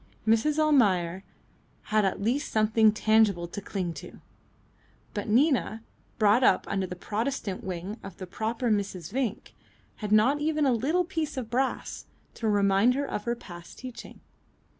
Mrs. Almayer had at least something tangible to cling to, but Nina, brought up under the Protestant wing of the proper Mrs. Vinck, had not even a little piece of brass to remind her of past teaching.